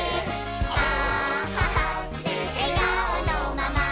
あははってえがおのまま」